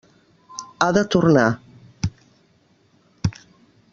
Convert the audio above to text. Ha de tornar.